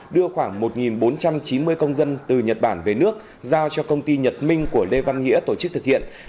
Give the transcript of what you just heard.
đưa khoảng một bốn trăm chín mươi công dân từ nhật bản về nước giao cho công ty nhật minh của lê văn nghĩa tổ chức thực hiện